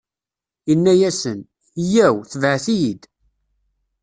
Inna-asen: Yyaw, tebɛet-iyi-d!